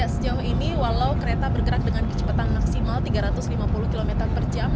sejauh ini walau kereta bergerak dengan kecepatan maksimal tiga ratus lima puluh km per jam